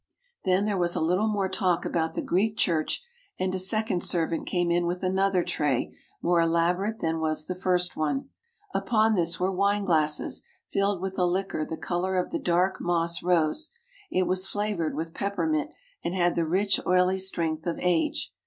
Then there was a little more talk about the Greek Church and a second servant came in with another tray more elaborate than was the first one. Upon this were wine glasses filled with a liquor the colour of the dark moss rose. It was flavoured with peppermint and had the rich, oily strength of age.